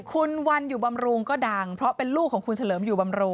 คุณวันอยู่บำรุงก็ดังเพราะเป็นลูกของคุณเฉลิมอยู่บำรุง